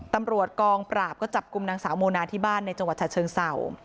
ตำรวจกองปราบก็จับกลุ่มนางสาวโมนาที่บ้านในจังหวัดฉะเชิงเศร้า